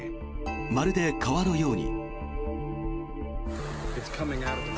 まるで川のように。